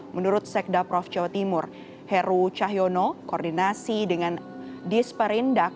menurut sekda prof jawa timur heru cahyono koordinasi dengan disperindak